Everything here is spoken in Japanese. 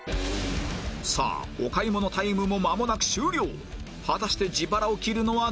さあお買い物タイムもまもなく終了